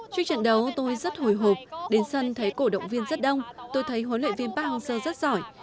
trước trận đấu tôi rất hồi hộp đến sân thấy cổ động viên rất đông tôi thấy huấn luyện viên park hang seo rất giỏi